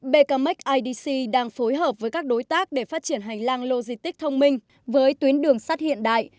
bkmac idc đang phối hợp với các đối tác để phát triển hành lang logistic thông minh với tuyến đường sắt hiện đại